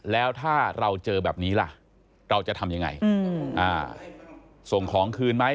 แล้วถ้าเราเจอแบบนี้ล่ะเราจะทำยังไงส่งของคืนไหม